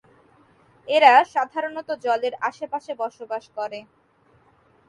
এরা সাধারণত জলের আশেপাশে বসবাস করে।